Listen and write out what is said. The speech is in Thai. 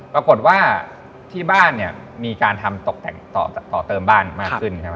ปรากฏว่าที่บ้านเนี่ยมีการทำตกแต่งต่อเติมบ้านมากขึ้นใช่ไหม